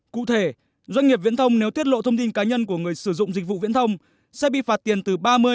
cụ thể doanh nghiệp viễn thông nếu tiết lộ thông tin cá nhân của người sử dụng dịch vụ viễn thông sẽ bị phạt tiền từ ba mươi năm mươi triệu đồng